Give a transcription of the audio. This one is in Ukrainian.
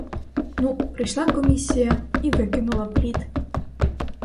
Ну, прийшла комісія і викинула пліт.